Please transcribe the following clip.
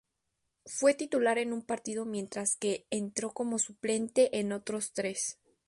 Fue titular en un partido mientras que entró como suplente en otros tres.